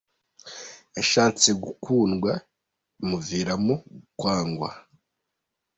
Yashatse gukundwa bimuviramo kwangwa